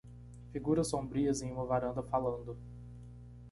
Figuras sombrias em uma varanda falando.